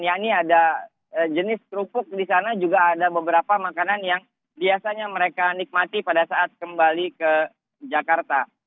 ya ini ada jenis kerupuk di sana juga ada beberapa makanan yang biasanya mereka nikmati pada saat kembali ke jakarta